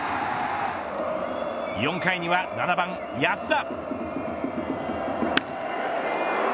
４回には７番、安田。